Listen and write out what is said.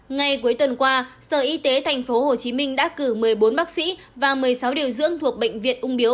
ngay cuối tuần qua sở y tế tp hcm đã cử một mươi bốn bác sĩ và một mươi sáu điều dưỡng thuộc bệnh viện ung biếu